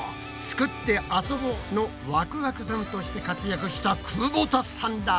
「つくってあそぼ」のワクワクさんとして活躍した久保田さんだ！